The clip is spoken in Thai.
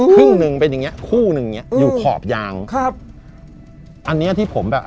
ครึ่งหนึ่งเป็นอย่างเงี้คู่หนึ่งเนี้ยอยู่ขอบยางครับอันเนี้ยที่ผมแบบ